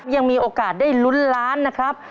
ยังมีโอกาสได้ลุ้นล้านนะครับ